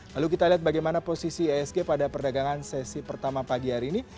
lalu kita lihat bagaimana posisi isg pada perdagangan sesi pertama pagi hari ini